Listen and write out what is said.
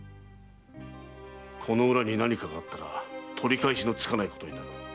この裏に何かがあったら取り返しのつかないことになる。